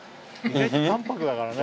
淡泊だからね。